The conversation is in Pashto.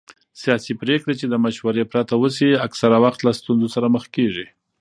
سیاسي پرېکړې چې د مشورې پرته وشي اکثره وخت له ستونزو سره مخ کېږي